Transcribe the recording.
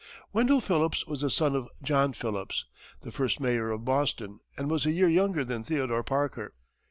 Wendell Phillips was the son of John Phillips, the first mayor of Boston, and was a year younger than Theodore Parker.